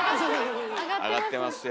上がってますよ！